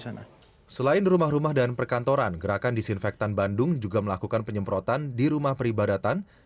selain rumah rumah dan perkantoran gerakan disinfektan bandung juga melakukan penyemprotan di rumah peribadatan